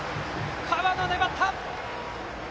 河野、粘った。